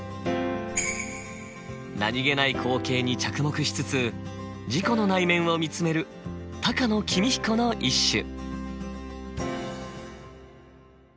何気ない光景に着目しつつ自己の内面を見つめる高野公彦の一首。